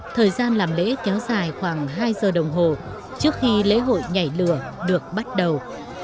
thời gian làm lễ kéo dài khoảng hai giờ đồng hồ trước khi lễ hội nhảy lửa được bắt đầu